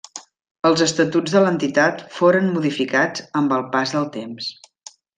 Els estatuts de l'entitat foren modificats amb el pas del temps.